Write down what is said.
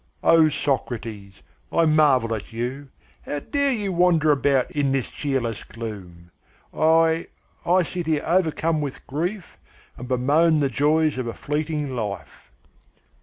"O Socrates, I marvel at you how dare you wander about in this cheerless gloom? I I sit here overcome with grief and bemoan the joys of a fleeting life."